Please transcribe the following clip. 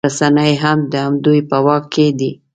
رسنۍ هم د همدوی په واک کې دي